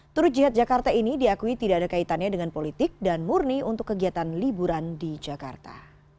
turut jihad jakarta ini diakui tidak ada kaitannya dengan politik dan murni untuk kegiatan liburan di jakarta